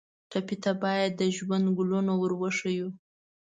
ټپي ته باید د ژوند ګلونه ور وښیو.